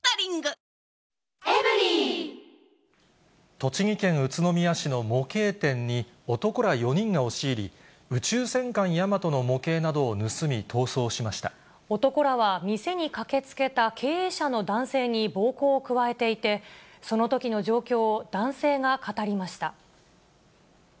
栃木県宇都宮市の模型店に、男ら４人が押し入り、宇宙戦艦ヤマトの模型などを盗み、逃走しま男らは、店に駆けつけた経営者の男性に暴行を加えていて、そのときの状況を男性が語りました。